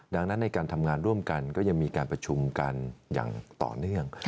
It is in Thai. ดังนั้นในการทำงานร่วมกันก็ยังมีการประชุมกันอย่างต่อเนื่อง